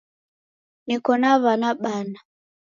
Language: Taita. Neko na w'ana bana